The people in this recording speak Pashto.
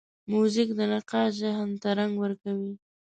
موزیک د نقاش ذهن ته رنګ ورکوي.